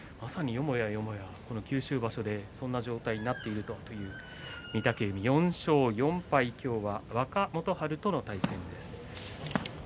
よもやよもや九州場所でそんな状態になっているとは御嶽海は４勝４敗の五分若元春との対戦です。